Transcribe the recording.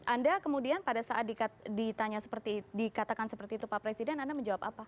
anda kemudian pada saat ditanya seperti dikatakan seperti itu pak presiden anda menjawab apa